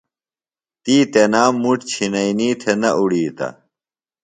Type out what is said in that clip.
تی تنام مُٹ چِھئینی تھےۡ نہ اُڑِیتہ۔